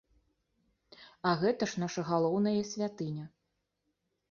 А гэта ж наша галоўнае святыня!